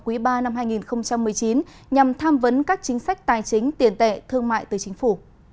quý ba năm hai nghìn một mươi chín nhằm tham vấn các chính sách tài chính tiền tệ thương mại từ chính phủ